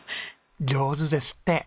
上手ですって。